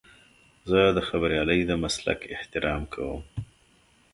زه د خبریالۍ د مسلک احترام کوم.